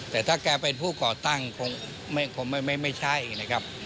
แต่ถ้าแกเป็นผู้ก่อตั้งคงไม่ใช่นะครับ